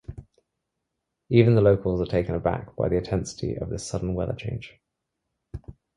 Even the locals are taken aback by the intensity of this sudden weather change.